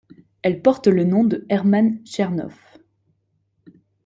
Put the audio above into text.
Elle porte le nom de Herman Chernoff.